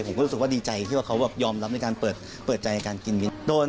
คิดว่าเขายอมรับในการเปิดใจการกินวินทร์